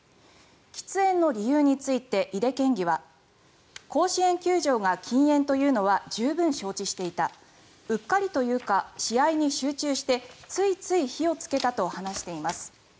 喫煙の理由について井手県議は甲子園球場が禁煙というのは十分承知していたうっかりというか試合に集中してついつい火をつけたと話しています。